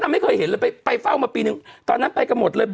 ไม่เคยเห็นเลยไปเฝ้ามาปีนึงตอนนั้นไปกันหมดเลย